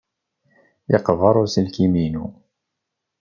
Yeqber uselkim-inu.